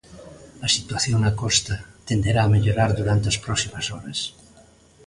A situación na costa tenderá a mellorar durante as próximas horas.